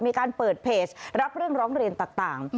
มีการเปิดเพจรับเรื่องร้องเรียนต่าง